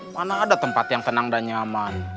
mana ada tempat yang tenang dan nyaman